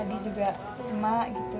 alia kalau udah melihat rumah kayak gini terus